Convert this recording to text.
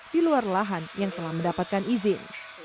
di luar lahan yang telah mendapatkan izin